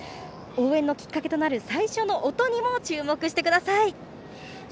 応援のきっかけとなる最初の音にも注目してください。